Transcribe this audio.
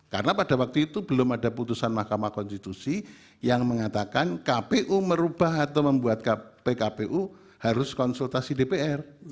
karena pada waktu itu belum ada putusan mahkamah konstitusi yang mengatakan kpu merubah atau membuat pkpu harus konsultasi dpr